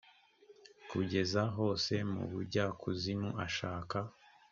kugera hose mu bujya kuzimu ashaka